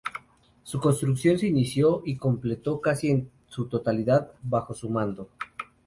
Su construcción se inició y completó casi en su totalidad bajo su mando.